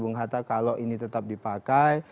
bung hatta kalau ini tetap dipakai